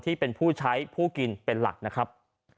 ที่เป็นผู้ใช้ผู้กินเป็นหลักนะครับ